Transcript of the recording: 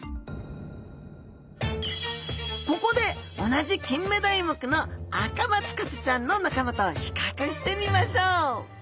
ここで同じキンメダイ目のアカマツカサちゃんの仲間と比較してみましょう！